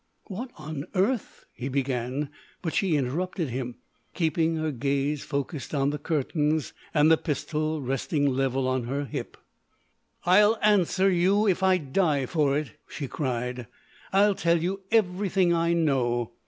"What on earth," he began, but she interrupted him, keeping her gaze focused on the curtains, and the pistol resting level on her hip. "I'll answer you if I die for it!" she cried. "I'll tell you everything I know!